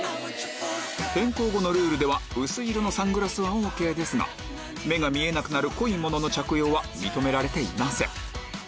変更後のルールでは薄い色のサングラスはＯＫですが目が見えなくなる濃いものの着用は認められていません